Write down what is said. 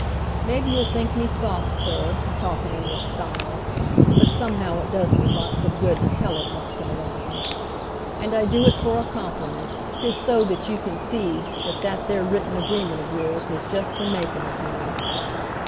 Maybe you'll think me soft, Sir, a talkin' in this style, But somehow it does me lots of good to tell it once in a while; And I do it for a compliment 'tis so that you can see That that there written agreement of yours was just the makin' of me.